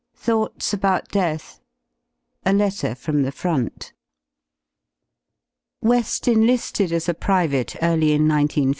§ Thoughts about death. § A letter from the front. JVeSl enliiUd as a private early in 1 9 1 5.